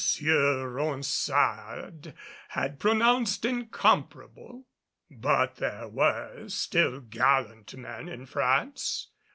Ronsard had pronounced incomparable? But there were still gallant men in France.